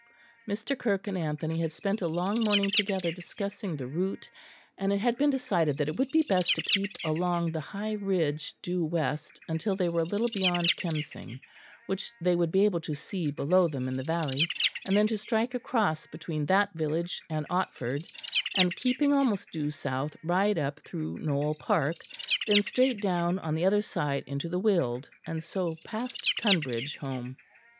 Mr. Kirke and Anthony had spent a long morning together discussing the route, and it had been decided that it would be best to keep along the high ridge due west until they were a little beyond Kemsing, which they would be able to see below them in the valley; and then to strike across between that village and Otford, and keeping almost due south ride up through Knole Park; then straight down on the other side into the Weald, and so past Tonbridge home.